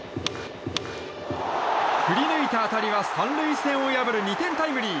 振り抜いた当たりは３塁線を破る２点タイムリー。